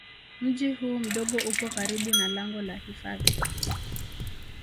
Mji huu mdogo upo karibu na lango la hifadhi